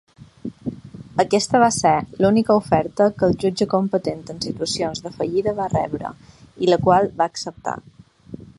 Aquesta va ser l'única oferta que el jutge competent en situacions de fallida va rebre, i la qual va acceptar.